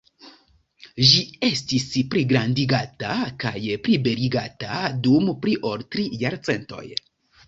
Ĝi estis pligrandigata kaj plibeligata dum pli ol tri jarcentoj.